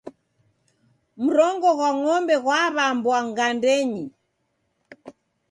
Mrongo ghwa ng'ombe ghwaw'ambwa gandenyi